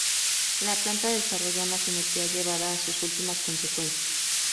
La planta desarrolla una simetría llevada a sus últimas consecuencias.